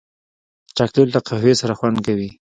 چاکلېټ له قهوې سره خوند کوي.